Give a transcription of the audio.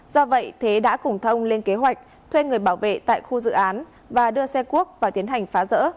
do vậy thế đã cùng thông lên kế hoạch thuê người bảo vệ tại khu dự án và đưa xe cuốc vào tiến hành phá rỡ